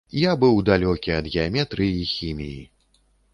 Я быў далёкі ад геаметрыі і хіміі.